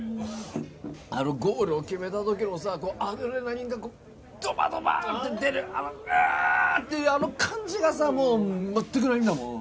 あのゴールを決めた時のさアドレナリンがドバドバって出るうーっ！っていうあの感じがさまったくないんだもん